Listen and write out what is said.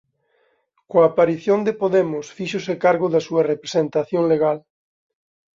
Coa aparición de Podemos fíxose cargo da súa representación legal.